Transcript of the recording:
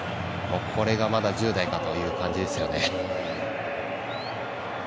これがまだ１０代かという感じですね。